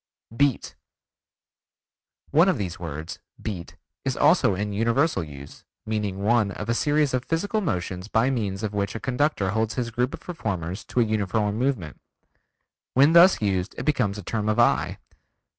Beat One of these words, Beat, is also in universal use, meaning one of a series of physical motions by means of which a conductor holds his group of performers to a uniform movement. When thus used it becomes a term of eye.